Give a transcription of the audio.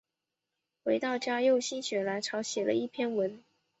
回到家又心血来潮写了一篇文